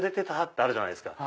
ってあるじゃないですか。